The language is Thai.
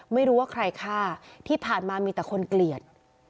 ไม่รู้ว่าใครฆ่าที่ผ่านมามีแต่คนเกลียด